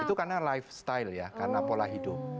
itu karena lifestyle ya karena pola hidup